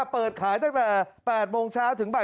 เปิดขายตั้งแต่๘โมงเช้าถึงบ่าย